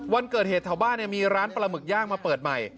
วันเกิดเหตุแถวบ้านมีร้านปลาหมึกย่างมาเปิดใหม่